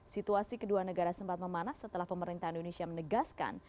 situasi kedua negara sempat memanas setelah pemerintah indonesia menegaskan